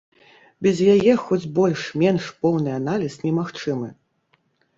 Без яе хоць больш-менш поўны аналіз немагчымы.